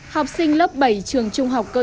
học sinh lớp bảy trường trung học cơ sở